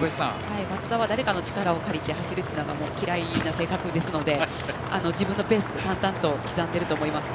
松田は誰かの力を借りて走るのが嫌いな性格ですので自分のペースで淡々と刻んでいると思います。